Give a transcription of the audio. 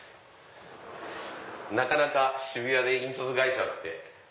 なかなか渋谷で印刷会社って。